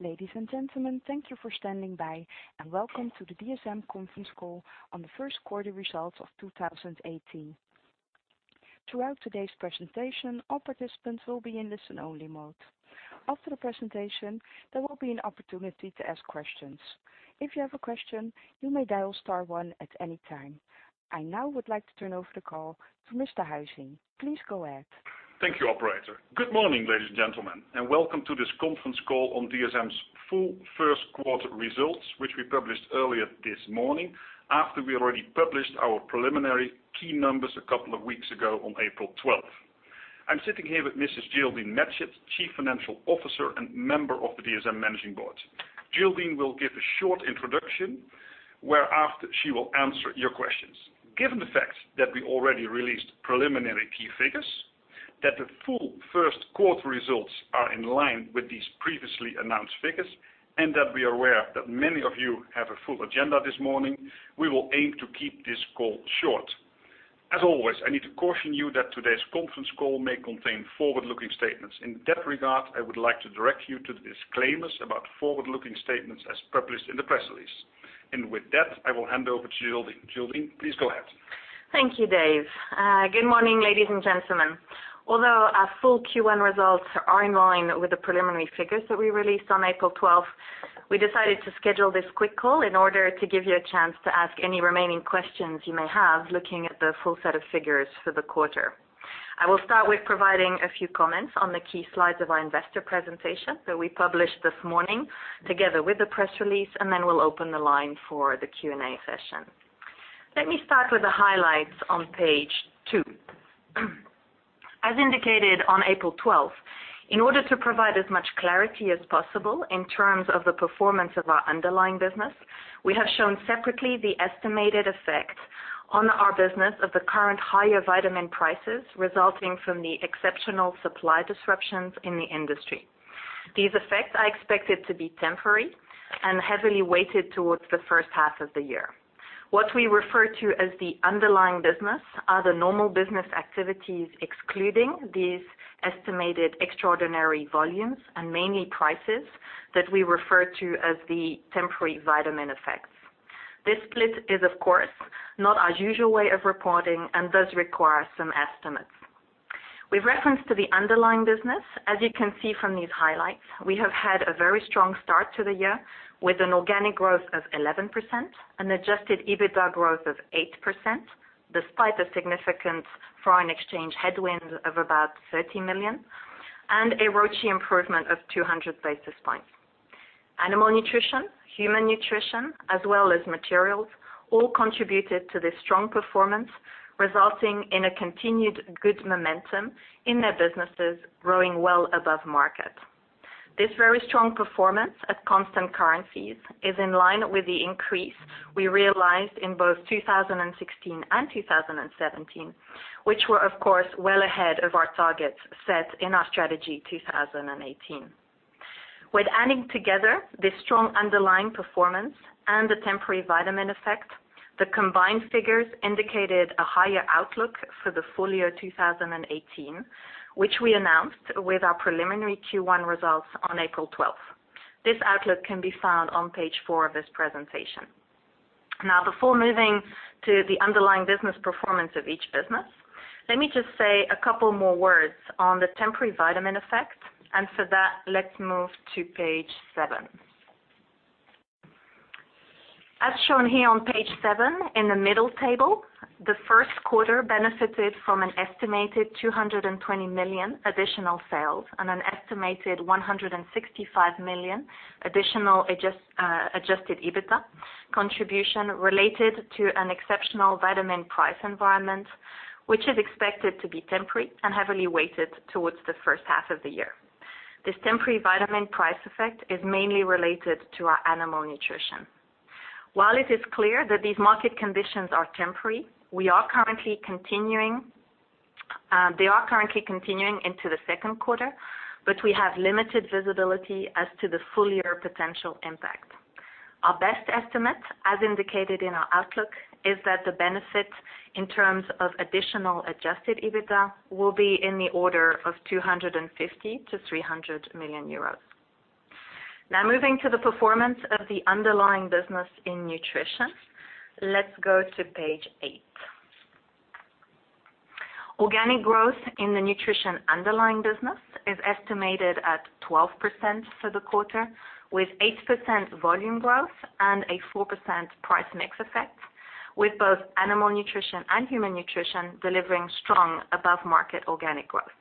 Ladies and gentlemen, thank you for standing by, welcome to the DSM conference call on the first quarter results of 2018. Throughout today's presentation, all participants will be in listen-only mode. After the presentation, there will be an opportunity to ask questions. If you have a question, you may dial star one at any time. I now would like to turn over the call to Mr. Huizing. Please go ahead. Thank you, operator. Good morning, ladies and gentlemen, welcome to this conference call on DSM's full first quarter results, which we published earlier this morning after we already published our preliminary key numbers a couple of weeks ago on April 12th. I'm sitting here with Mrs. Geraldine Matchett, Chief Financial Officer and member of the DSM managing board. Geraldine will give a short introduction, whereafter she will answer your questions. Given the fact that we already released preliminary key figures, that the full first quarter results are in line with these previously announced figures, and that we are aware that many of you have a full agenda this morning, we will aim to keep this call short. As always, I need to caution you that today's conference call may contain forward-looking statements. In that regard, I would like to direct you to the disclaimers about forward-looking statements as published in the press release. With that, I will hand over to Geraldine. Geraldine, please go ahead. Thank you, Dave. Good morning, ladies and gentlemen. Although our full Q1 results are in line with the preliminary figures that we released on April 12th, we decided to schedule this quick call in order to give you a chance to ask any remaining questions you may have looking at the full set of figures for the quarter. I will start with providing a few comments on the key slides of our investor presentation that we published this morning together with the press release, then we'll open the line for the Q&A session. Let me start with the highlights on page two. As indicated on April 12th, in order to provide as much clarity as possible in terms of the performance of our underlying business, we have shown separately the estimated effect on our business of the current higher vitamin prices resulting from the exceptional supply disruptions in the industry. These effects are expected to be temporary and heavily weighted towards the first half of the year. What we refer to as the underlying business are the normal business activities, excluding these estimated extraordinary volumes and mainly prices that we refer to as the temporary vitamin effects. This split is, of course, not our usual way of reporting and does require some estimates. With reference to the underlying business, as you can see from these highlights, we have had a very strong start to the year with an organic growth of 11%, an adjusted EBITDA growth of 8%, despite a significant foreign exchange headwind of about 30 million, and a ROCE improvement of 200 basis points. Animal Nutrition, Human Nutrition, as well as Materials, all contributed to this strong performance, resulting in a continued good momentum in their businesses growing well above market. This very strong performance at constant currencies is in line with the increase we realized in both 2016 and 2017, which were of course well ahead of our targets set in our Strategy 2018. With adding together this strong underlying performance and the temporary vitamin effect, the combined figures indicated a higher outlook for the full year 2018, which we announced with our preliminary Q1 results on April 12th. This outlook can be found on page four of this presentation. Before moving to the underlying business performance of each business, let me just say a couple more words on the temporary vitamin effect, and for that, let's move to page seven. As shown here on page seven in the middle table, the first quarter benefited from an estimated 220 million additional sales and an estimated 165 million additional adjusted EBITDA contribution related to an exceptional vitamin price environment, which is expected to be temporary and heavily weighted towards the first half of the year. This temporary vitamin price effect is mainly related to our Animal Nutrition. While it is clear that these market conditions are temporary, they are currently continuing into the second quarter, but we have limited visibility as to the full year potential impact. Our best estimate, as indicated in our outlook, is that the benefit in terms of additional adjusted EBITDA will be in the order of 250 million to 300 million euros. Moving to the performance of the underlying business in Nutrition, let's go to page eight. Organic growth in the Nutrition underlying business is estimated at 12% for the quarter, with 8% volume growth and a 4% price mix effect, with both Animal Nutrition and Human Nutrition delivering strong above-market organic growth.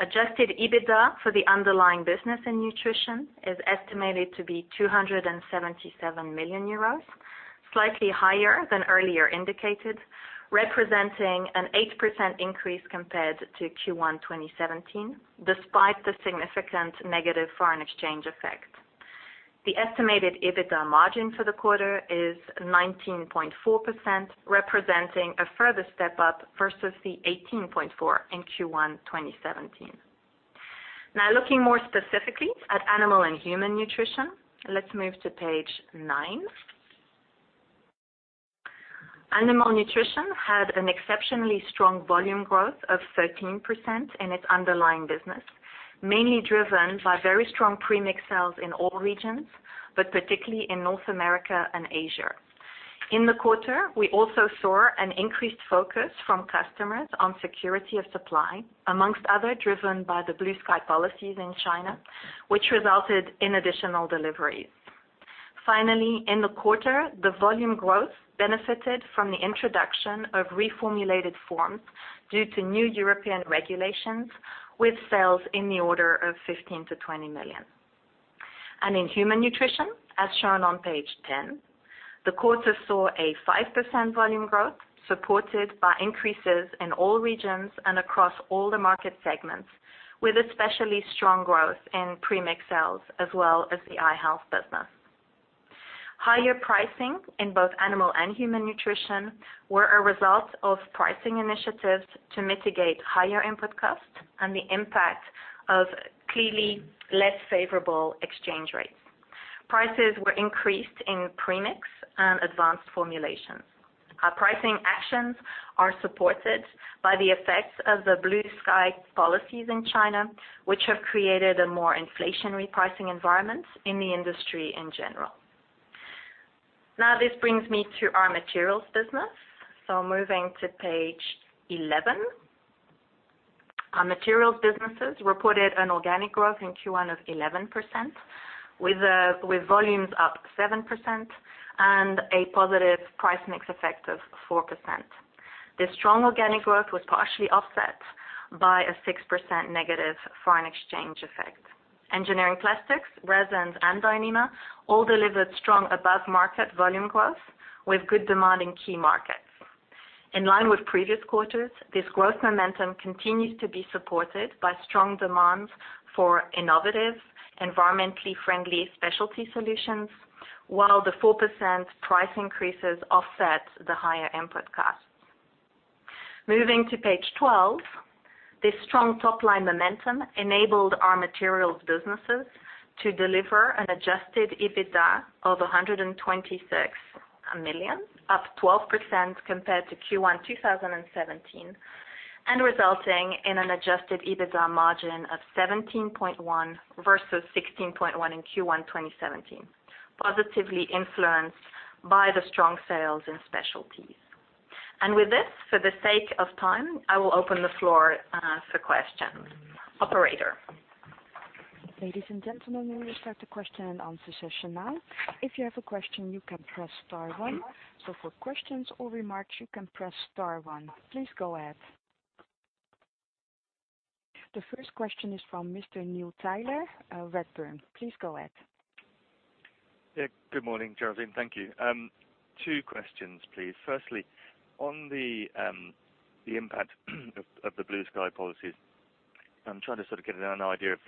Adjusted EBITDA for the underlying business in Nutrition is estimated to be 277 million euros, slightly higher than earlier indicated, representing an 8% increase compared to Q1 2017, despite the significant negative foreign exchange effect. The estimated EBITDA margin for the quarter is 19.4%, representing a further step-up versus the 18.4% in Q1 2017. Looking more specifically at Animal & Human Nutrition, let's move to page nine. Animal Nutrition had an exceptionally strong volume growth of 13% in its underlying business, mainly driven by very strong premix sales in all regions, but particularly in North America and Asia. In the quarter, we also saw an increased focus from customers on security of supply, amongst other driven by the Blue Sky policies in China, which resulted in additional deliveries. Finally, in the quarter, the volume growth benefited from the introduction of reformulated forms due to new European regulations with sales in the order of 15 million-20 million. In Human Nutrition, as shown on page 10, the quarter saw a 5% volume growth supported by increases in all regions and across all the market segments, with especially strong growth in premix sales as well as the eye health business. Higher pricing in both Animal and Human Nutrition were a result of pricing initiatives to mitigate higher input costs and the impact of clearly less favorable exchange rates. Prices were increased in premix and advanced formulations. Our pricing actions are supported by the effects of the Blue Sky policies in China, which have created a more inflationary pricing environment in the industry in general. This brings me to our Materials business. Moving to page 11. Our Materials businesses reported an organic growth in Q1 of 11%, with volumes up 7% and a positive price mix effect of 4%. This strong organic growth was partially offset by a 6% negative foreign exchange effect. Engineering plastics, resins, and Dyneema all delivered strong above-market volume growth with good demand in key markets. In line with previous quarters, this growth momentum continues to be supported by strong demand for innovative, environmentally friendly specialty solutions, while the 4% price increases offset the higher input costs. Moving to page 12. This strong top-line momentum enabled our Materials businesses to deliver an adjusted EBITDA of 126 million, up 12% compared to Q1 2017, and resulting in an adjusted EBITDA margin of 17.1% versus 16.1% in Q1 2017, positively influenced by the strong sales in specialties. With this, for the sake of time, I will open the floor for questions. Operator. Ladies and gentlemen, we will start the question and answer session now. If you have a question, you can press star one. For questions or remarks, you can press star one. Please go ahead. The first question is from Mr. Neil Tyler, Redburn. Please go ahead. Good morning, Geraldine. Thank you. Two questions, please. Firstly, on the impact of the Blue Sky policies, I'm trying to sort of get an idea of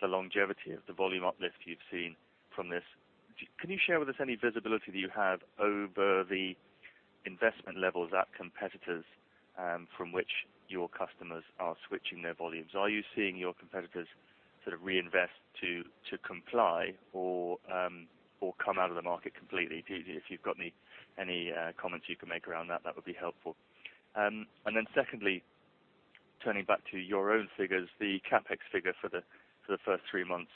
the longevity of the volume uplift you've seen from this. Can you share with us any visibility that you have over the investment levels at competitors from which your customers are switching their volumes? Are you seeing your competitors sort of reinvest to comply or come out of the market completely? If you've got any comments you can make around that would be helpful. Secondly, turning back to your own figures, the CapEx figure for the first three months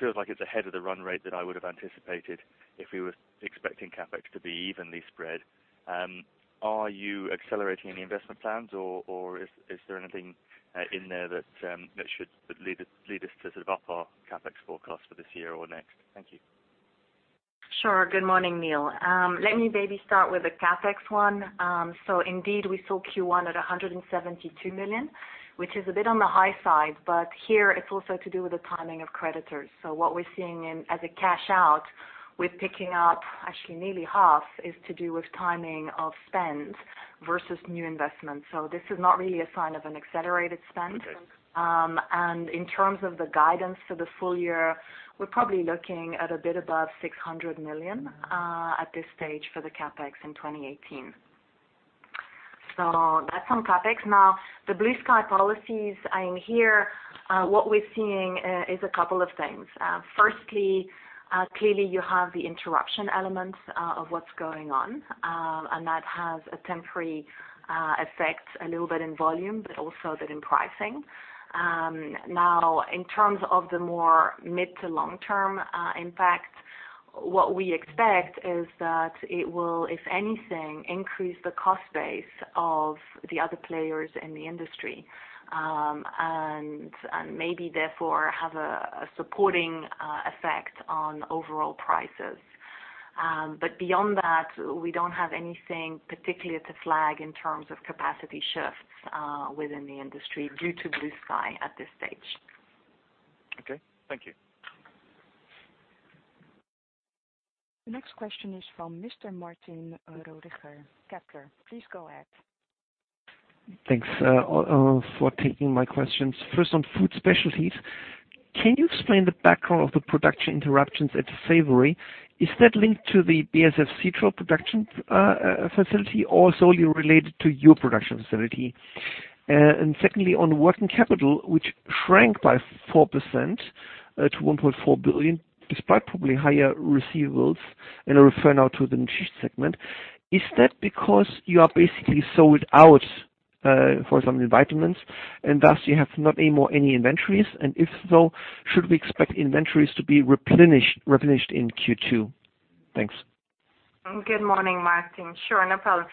feels like it's ahead of the run rate that I would have anticipated if we were expecting CapEx to be evenly spread. Are you accelerating any investment plans or is there anything in there that should lead us to sort of up our CapEx forecast for this year or next? Thank you. Sure. Good morning, Neil. Let me maybe start with the CapEx one. Indeed, we saw Q1 at 172 million, which is a bit on the high side, but here it's also to do with the timing of creditors. What we're seeing in as a cash out, we're picking up actually nearly half is to do with timing of spend versus new investment. This is not really a sign of an accelerated spend. Okay. In terms of the guidance for the full year, we're probably looking at a bit above 600 million at this stage for the CapEx in 2018. That's on CapEx. The Blue Sky policies in here, what we're seeing is a couple of things. Firstly, clearly you have the interruption elements of what's going on, and that has a temporary effect a little bit in volume, but also a bit in pricing. In terms of the more mid to long-term impact, what we expect is that it will, if anything, increase the cost base of the other players in the industry. Maybe therefore have a supporting effect on overall prices. Beyond that, we don't have anything particularly to flag in terms of capacity shifts within the industry due to Blue Sky at this stage. Okay. Thank you. The next question is from Mr. Martin Röhringer, Kepler. Please go ahead. Thanks for taking my questions. First, on food specialties, can you explain the background of the production interruptions at Savory? Is that linked to the BASF Citral production facility or solely related to your production facility? Secondly, on working capital, which shrank by 4% to 1.4 billion, despite probably higher receivables, and I refer now to the Nutrition segment. Is that because you are basically sold out for some of the vitamins, and thus you have not any more any inventories? If so, should we expect inventories to be replenished in Q2? Thanks. Good morning, Martin. Sure, no problem.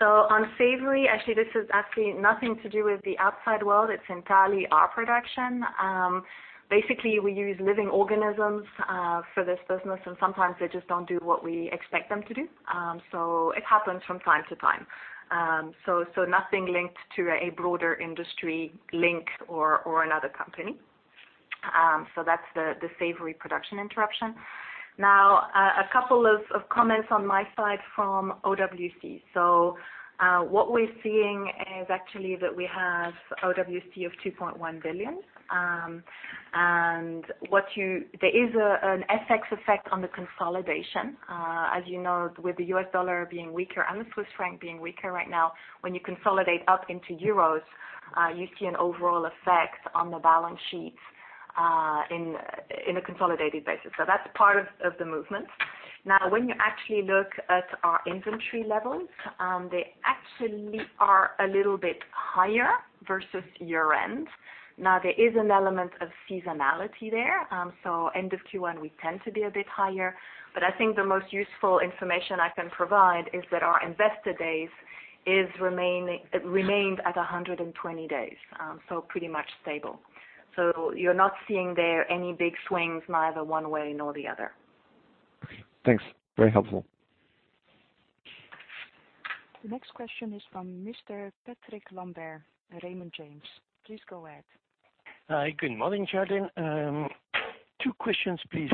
On Savory, actually, this has absolutely nothing to do with the outside world. It's entirely our production. Basically, we use living organisms for this business, and sometimes they just don't do what we expect them to do. It happens from time to time. Nothing linked to a broader industry link or another company. That's the Savory production interruption. A couple of comments on my side from OWC. What we're seeing is actually that we have OWC of 2.1 billion. There is an FX effect on the consolidation. As you know, with the U.S. dollar being weaker and the Swiss franc being weaker right now, when you consolidate up into euros, you see an overall effect on the balance sheets in a consolidated basis. That's part of the movement. When you actually look at our inventory levels, they actually are a little bit higher versus year-end. There is an element of seasonality there. End of Q1, we tend to be a bit higher. I think the most useful information I can provide is that our inventory days remained at 120 days. Pretty much stable. You're not seeing there any big swings, neither one way nor the other. Thanks. Very helpful. The next question is from Mr. Patrick Lambert, Raymond James. Please go ahead. Good morning, Geraldine. Two questions, please.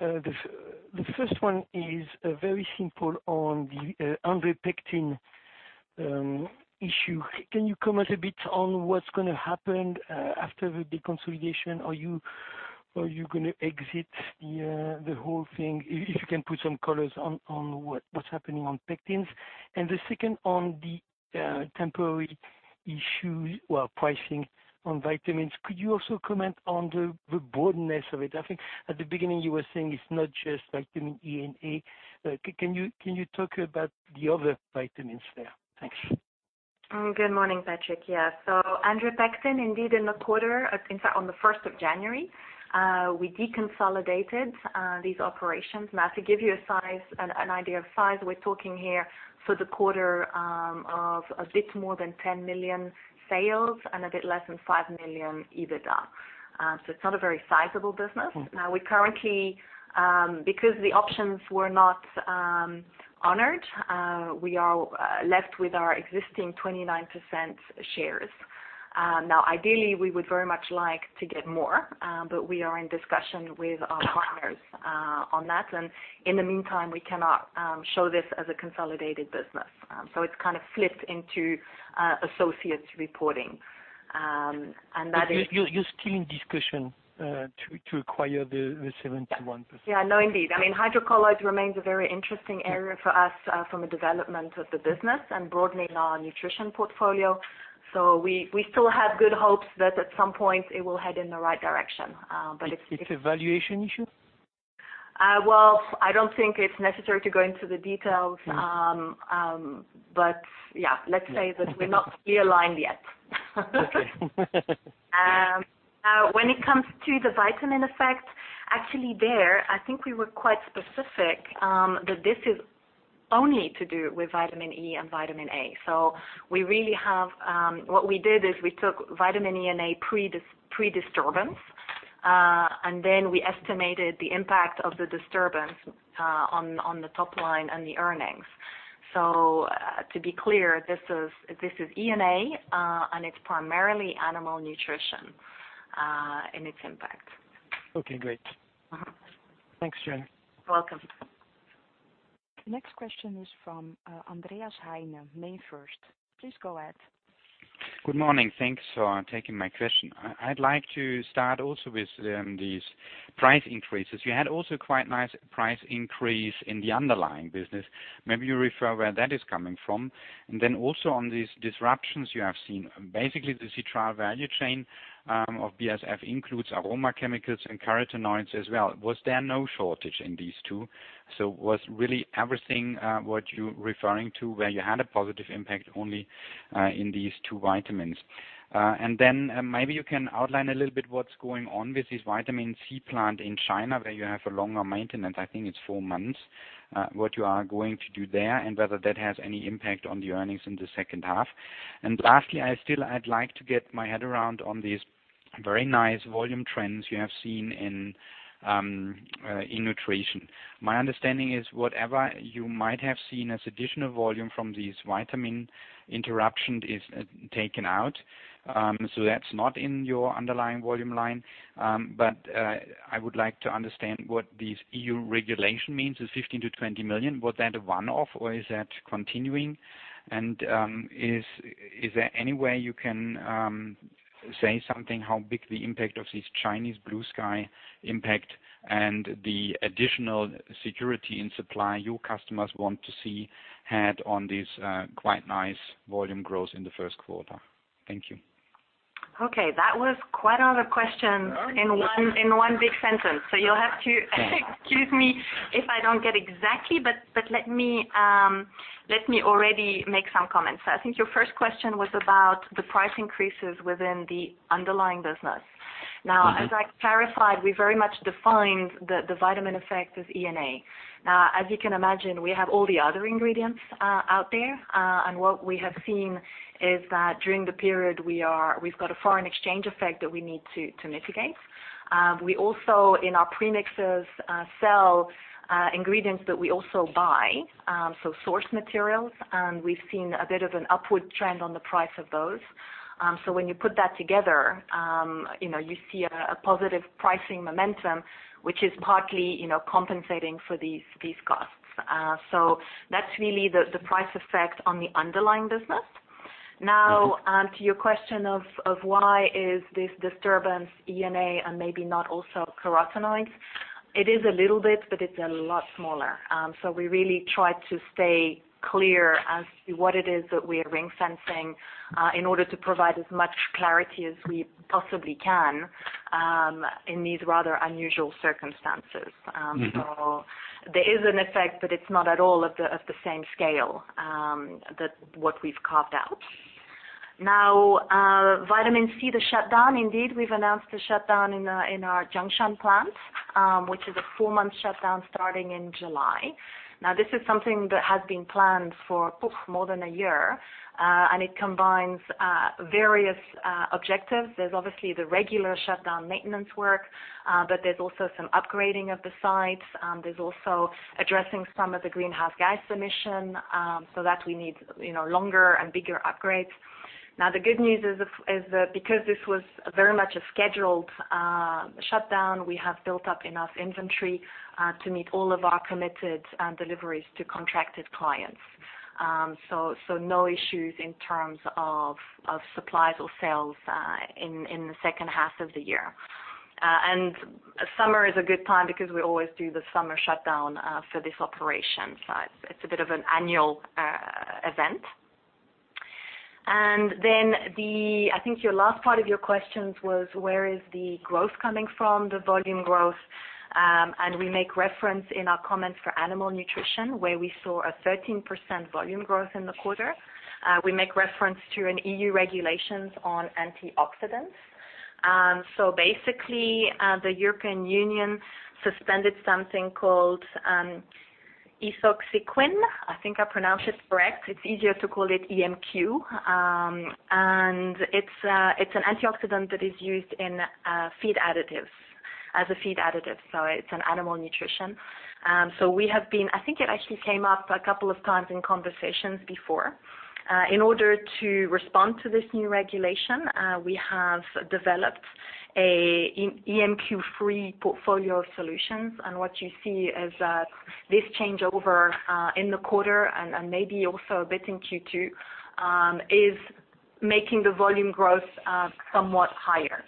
The first one is very simple on the Andre Pectin issue. Can you comment a bit on what's going to happen after the deconsolidation? Are you going to exit the whole thing? If you can put some colors on what's happening on pectins. The second on the temporary issues, well, pricing on vitamins. Could you also comment on the broadness of it? I think at the beginning you were saying it's not just vitamin E and A. Can you talk about the other vitamins there? Thanks. Good morning, Patrick. Yeah. Andre Pectin, indeed, in the quarter, in fact, on the 1st of January, we deconsolidated these operations. To give you an idea of size, we're talking here for the quarter of a bit more than 10 million sales and a bit less than 5 million EBITDA. It's not a very sizable business. Because the options were not honored, we are left with our existing 29% shares. Ideally, we would very much like to get more, we are in discussion with our partners on that. In the meantime, we cannot show this as a consolidated business. It's kind of flipped into associates reporting. That is. You're still in discussion to acquire the 71%? Yeah. No, indeed. I mean, hydrocolloid remains a very interesting area for us from a development of the business and broadening our nutrition portfolio. We still have good hopes that at some point it will head in the right direction. It's. It's a valuation issue? Well, I don't think it's necessary to go into the details. Yeah, let's say that we're not clear aligned yet. Okay. When it comes to the vitamin effect, actually there, I think we were quite specific that this is only to do with vitamin E and vitamin A. What we did is we took vitamin E and A pre-disturbance, and then we estimated the impact of the disturbance on the top line and the earnings. To be clear, this is E and A, and it's primarily Animal Nutrition in its impact. Okay, great. Thanks, Geraldine. You're welcome. The next question is from Andreas Heine, MainFirst. Please go ahead. Good morning. Thanks for taking my question. I'd like to start also with these price increases. You had also quite nice price increase in the underlying business. Maybe you refer where that is coming from. Then also on these disruptions you have seen, basically the Citral value chain of BASF includes aroma chemicals and carotenoids as well. Was there no shortage in these two? Was really everything what you're referring to where you had a positive impact only in these two vitamins? Then maybe you can outline a little bit what's going on with this vitamin C plant in China, where you have a longer maintenance, I think it's four months. What you are going to do there, and whether that has any impact on the earnings in the second half. Lastly, I'd like to get my head around on these very nice volume trends you have seen in Nutrition. My understanding is whatever you might have seen as additional volume from these vitamin interruption is taken out. That's not in your underlying volume line. I would like to understand what this EU regulation means, this 15 million-20 million. Was that a one-off or is that continuing? Is there any way you can say something how big the impact of this Chinese Blue Sky policy impact and the additional security in supply your customers want to see had on this quite nice volume growth in the first quarter? Thank you. Okay. That was quite a lot of questions in one big sentence. You'll have to excuse me if I don't get exactly, let me already make some comments. I think your first question was about the price increases within the underlying business. As I clarified, we very much defined the vitamin effect as E&A. As you can imagine, we have all the other ingredients out there. What we have seen is that during the period, we've got a foreign exchange effect that we need to mitigate. We also, in our premixes, sell ingredients that we also buy, source materials. We've seen a bit of an upward trend on the price of those. When you put that together, you see a positive pricing momentum, which is partly compensating for these costs. That's really the price effect on the underlying business. To your question of why is this disturbance E&A and maybe not also carotenoids? It is a little bit, it's a lot smaller. We really try to stay clear as to what it is that we are ring-fencing, in order to provide as much clarity as we possibly can in these rather unusual circumstances. There is an effect, but it's not at all of the same scale, that what we've carved out. Vitamin C, the shutdown. We've announced a shutdown in our Jiangshan plant, which is a four-month shutdown starting in July. This is something that has been planned for more than a year. It combines various objectives. There is obviously the regular shutdown maintenance work, but there is also some upgrading of the sites. There is also addressing some of the greenhouse gas emission, so that we need longer and bigger upgrades. The good news is that because this was very much a scheduled shutdown, we have built up enough inventory to meet all of our committed deliveries to contracted clients. No issues in terms of supplies or sales in the second half of the year. Summer is a good time because we always do the summer shutdown for this operation. It's a bit of an annual event. I think your last part of your questions was where is the growth coming from, the volume growth? We make reference in our comments for Animal Nutrition, where we saw a 13% volume growth in the quarter. We make reference to an EU regulations on antioxidants. The European Union suspended something called ethoxyquin. I think I pronounced it correct. It's easier to call it EMQ. It's an antioxidant that is used as a feed additive, so it's an Animal Nutrition. I think it actually came up a couple of times in conversations before. In order to respond to this new regulation, we have developed an EMQ-free portfolio of solutions. What you see is that this changeover in the quarter and maybe also a bit in Q2, is making the volume growth somewhat higher.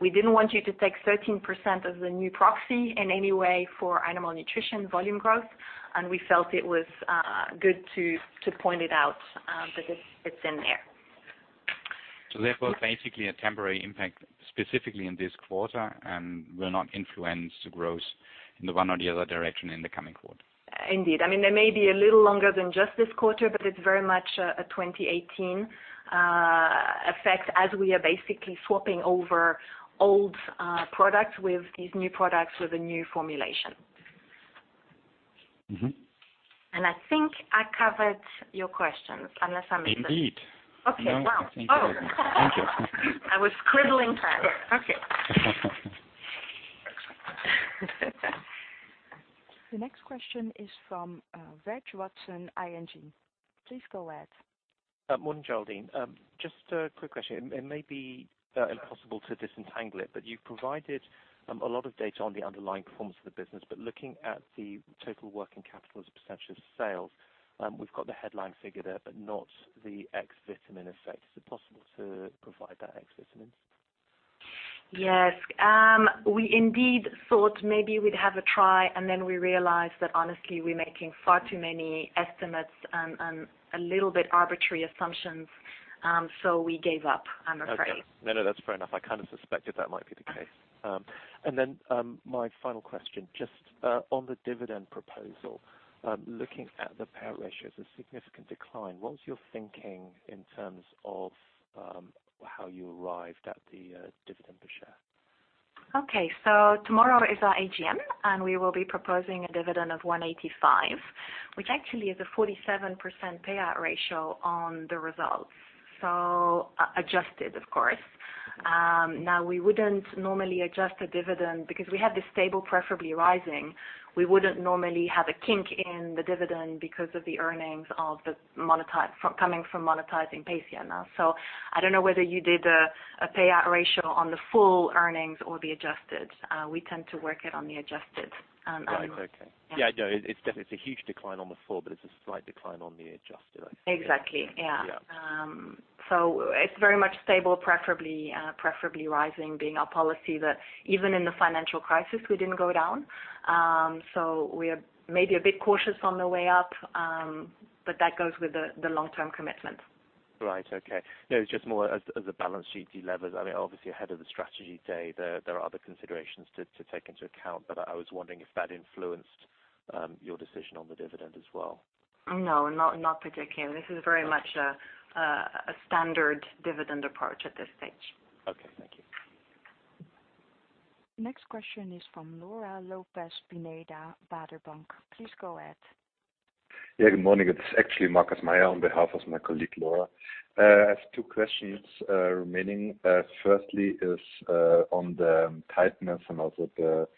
We didn't want you to take 13% as a new proxy in any way for Animal Nutrition volume growth, we felt it was good to point it out, because it's in there. Basically a temporary impact specifically in this quarter will not influence the growth in the one or the other direction in the coming quarter. Indeed. There may be a little longer than just this quarter, it's very much a 2018 effect as we are basically swapping over old products with these new products with a new formulation. I think I covered your questions, unless I missed it. Indeed. Okay. Wow. No, I think you did. Thank you. I was scribbling fast. Okay. Excellent. The next question is from Reg Watson, ING. Please go ahead. Morning, Geraldine. Just a quick question. It may be impossible to disentangle it, but you've provided a lot of data on the underlying performance of the business. Looking at the total working capital as a % of sales, we've got the headline figured out, but not the X vitamin effect. Is it possible to provide that X vitamin? Yes. We indeed thought maybe we'd have a try. We realized that honestly, we're making far too many estimates and a little bit arbitrary assumptions. We gave up, I'm afraid. Okay. No, that's fair enough. I kind of suspected that might be the case. My final question, just on the dividend proposal. Looking at the payout ratios, a significant decline. What is your thinking in terms of how you arrived at the dividend per share? Okay. Tomorrow is our AGM, and we will be proposing a dividend of 1.85, which actually is a 47% payout ratio on the results. Adjusted, of course. Now, we wouldn't normally adjust the dividend because we have this stable, preferably rising. We wouldn't normally have a kink in the dividend because of the earnings coming from monetizing Patheon. I don't know whether you did a payout ratio on the full earnings or the adjusted. We tend to work it on the adjusted. Right. Okay. Yeah, no, it's a huge decline on the full, it's a slight decline on the adjusted, I think. Exactly. Yeah. Yeah. It's very much stable, preferably rising being our policy that even in the financial crisis, we didn't go down. We're maybe a bit cautious on the way up, but that goes with the long-term commitment. Right. Okay. It's just more as a balance sheet delevers. Obviously, ahead of the strategy day, there are other considerations to take into account, but I was wondering if that influenced your decision on the dividend as well. Not particularly. This is very much a standard dividend approach at this stage. Okay. Thank you. Next question is from Laura Lopez-Pineda, Baader Bank. Please go ahead. Yeah. Good morning. It's actually Markus Mayer on behalf of my colleague, Laura. I have two questions remaining. Firstly is on the tightness and also the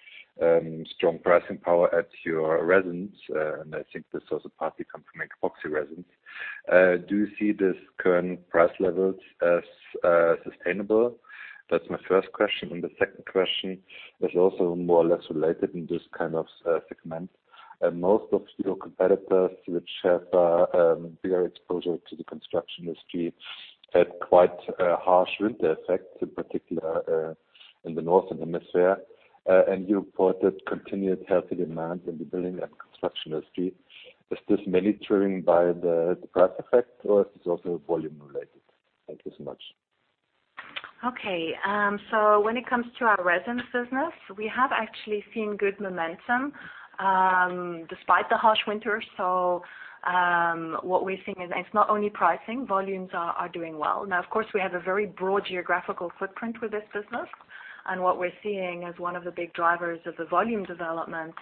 strong pricing power at your resins. I think this also partly comes from epoxy resins. Do you see this current price levels as sustainable? That's my first question. The second question is also more or less related in this kind of segment. Most of your competitors, which have a bigger exposure to the construction industry, had quite a harsh winter effect, in particular, in the northern hemisphere. You reported continued healthy demand in the building and construction industry. Is this mainly driven by the price effect or is this also volume related? Thank you so much. Okay. When it comes to our resins business, we have actually seen good momentum despite the harsh winter. What we're seeing is it's not only pricing, volumes are doing well. Now, of course, we have a very broad geographical footprint with this business. What we're seeing as one of the big drivers of the volume development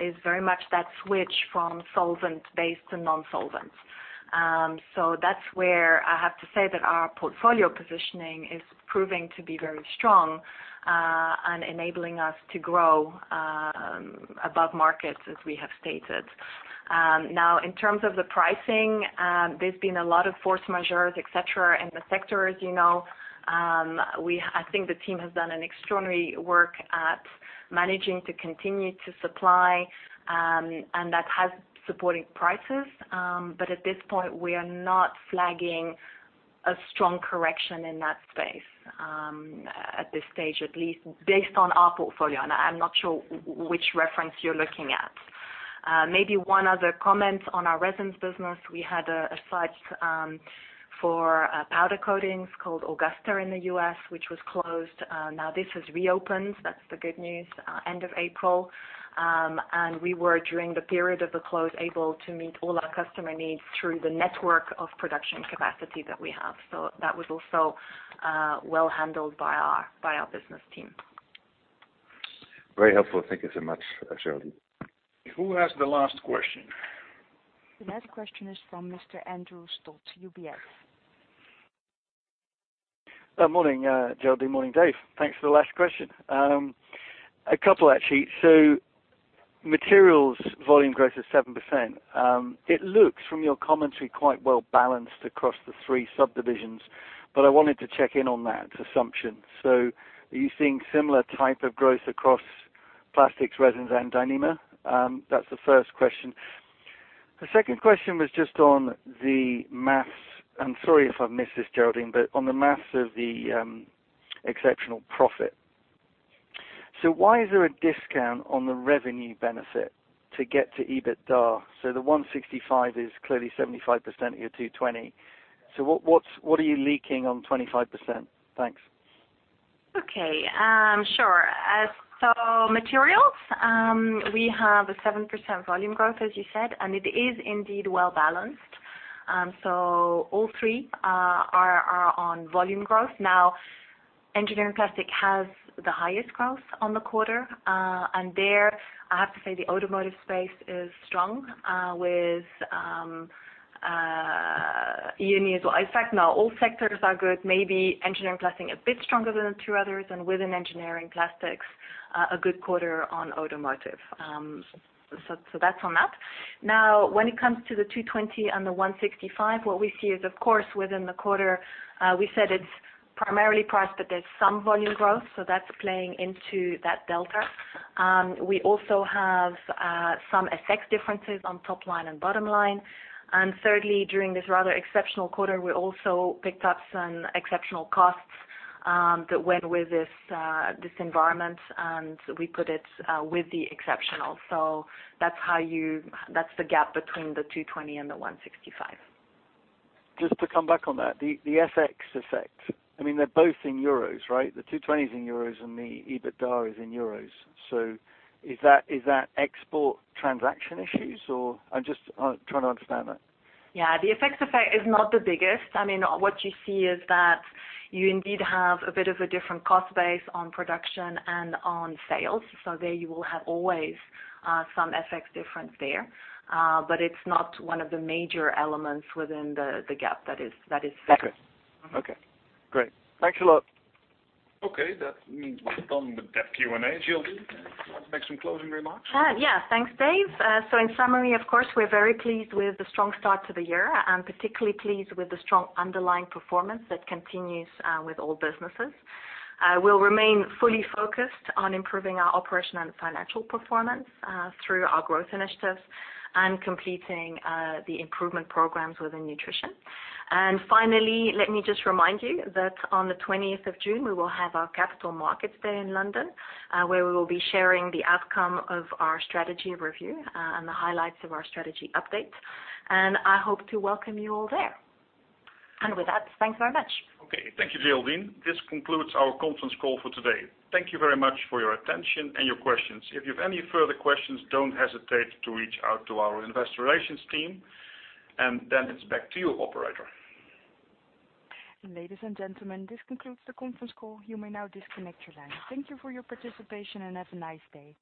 is very much that switch from solvent-based to non-solvent. That's where I have to say that our portfolio positioning is proving to be very strong, enabling us to grow above markets as we have stated. Now, in terms of the pricing, there's been a lot of force majeurs, et cetera, in the sector, as you know. I think the team has done an extraordinary work at managing to continue to supply, that has supported prices. At this point, we are not flagging a strong correction in that space, at this stage, at least based on our portfolio. I'm not sure which reference you're looking at. Maybe one other comment on our resins business. We had a site for powder coatings called Augusta in the U.S., which was closed. Now this has reopened, that's the good news, end of April. We were, during the period of the close, able to meet all our customer needs through the network of production capacity that we have. That was also well handled by our business team. Very helpful. Thank you so much, Geraldine. Who has the last question? The last question is from Mr. Andrew Stott, UBS. Morning, Geraldine. Morning, Dave. Thanks for the last question. A couple, actually. Materials volume growth is 7%. It looks, from your commentary, quite well-balanced across the three subdivisions, but I wanted to check in on that assumption. Are you seeing similar type of growth across plastics, resins, and Dyneema? That's the first question. The second question was just on the math, and sorry if I've missed this, Geraldine, but on the math of the exceptional profit. Why is there a discount on the revenue benefit to get to EBITDA? The 165 is clearly 75% of your 220. What are you leaking on 25%? Thanks. Okay. Sure. Materials, we have a 7% volume growth, as you said, and it is indeed well-balanced. All three are on volume growth. Engineering plastic has the highest growth on the quarter. There, I have to say the automotive space is strong with [EU near] as well. In fact, no, all sectors are good. Maybe engineering plastic a bit stronger than the two others, and within engineering plastics, a good quarter on automotive. That's on that. When it comes to the 220 and the 165, what we see is, of course, within the quarter, we said it's primarily price, but there's some volume growth. That's playing into that delta. We also have some FX differences on top line and bottom line. Thirdly, during this rather exceptional quarter, we also picked up some exceptional costs that went with this environment, and we put it with the exceptional. That's the gap between the 220 and the 165. Just to come back on that. The FX effect. They're both in EUR, right? The 220 is in EUR and the EBITDA is in EUR. Is that export transaction issues, or? I'm just trying to understand that. Yeah. The FX effect is not the biggest. What you see is that you indeed have a bit of a different cost base on production and on sales. There you will have always some FX difference there. It's not one of the major elements within the gap that is set. Okay. Great. Thanks a lot. That means we're done with that Q&A. Geraldine, do you want to make some closing remarks? Thanks, Dave. In summary, of course, we're very pleased with the strong start to the year, and particularly pleased with the strong underlying performance that continues with all businesses. We'll remain fully focused on improving our operational and financial performance through our growth initiatives and completing the improvement programs within nutrition. Finally, let me just remind you that on the 20th of June, we will have our capital markets day in London, where we will be sharing the outcome of our strategy review and the highlights of our strategy update. I hope to welcome you all there. With that, thanks very much. Thank you, Geraldine. This concludes our conference call for today. Thank you very much for your attention and your questions. If you have any further questions, don't hesitate to reach out to our investor relations team, and then it's back to you, operator. Ladies and gentlemen, this concludes the conference call. You may now disconnect your line. Thank you for your participation and have a nice day.